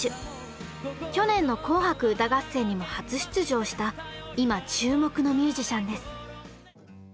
去年の「紅白歌合戦」にも初出場した今注目のミュージシャンです。